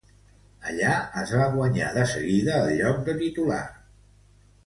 Allà es va guanyar de seguida el lloc de titular.